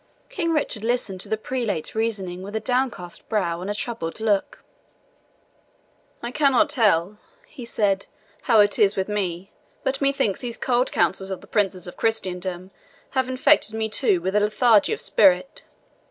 King Richard listened to the Prelate's reasoning with a downcast brow and a troubled look. "I cannot tell," he said, "How, it is with me, but methinks these cold counsels of the Princes of Christendom have infected me too with a lethargy of spirit.